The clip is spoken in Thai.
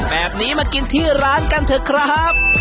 แบบนี้มากินที่ร้านกันเถอะครับ